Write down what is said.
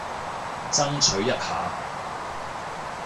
爭取一下